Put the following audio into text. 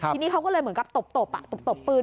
ทีนี้เขาก็เลยเหมือนกับตบตบตบปืน